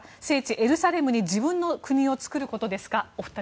エルサレムに自分の国を作ることですか。